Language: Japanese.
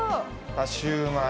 シューマイ。